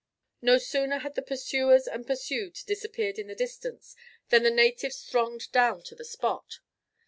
No sooner had the pursuers and pursued disappeared in the distance than the natives thronged down to the spot.